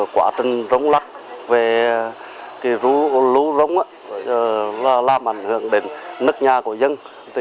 quá trình rống lắc về lũ rống làm ảnh hưởng đến nước nhà của dân